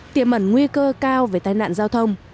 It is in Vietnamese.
tiềm ẩn nguy cơ cao về tai nạn giao thông